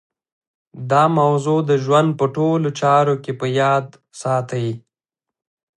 دا موضوع د ژوند په ټولو چارو کې په ياد ساتئ.